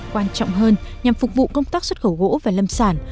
quan trọng hơn nhằm phục vụ công tác xuất khẩu gỗ và lâm sản